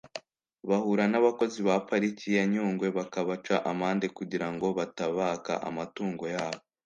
bahura n’abakozi ba pariki ya Nyungwe bakabaca amande kugira ngo batabaka amatungo yabo